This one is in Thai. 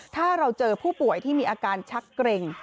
ถ้าเราเจอผู้ป่วยที่มีอาการชักเกร็ง